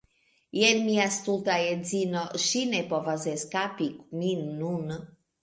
Jen mia stulta edzino ŝi ne povas eskapi min nun